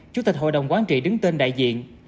chủ tịch hội đồng quán trị đứng tên đại diện